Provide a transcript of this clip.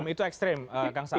itu ekstrim kang saad